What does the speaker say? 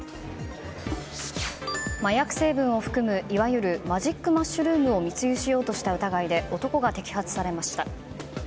麻薬成分を含む、いわゆるマジックマッシュルームを密輸しようとした疑いで男が摘発されました。